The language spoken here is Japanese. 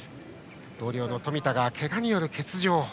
同僚の冨田が、けがによる欠場。